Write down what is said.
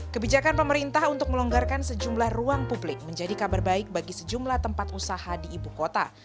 kebijakan pemerintah untuk melonggarkan sejumlah ruang publik menjadi kabar baik bagi sejumlah tempat usaha di ibu kota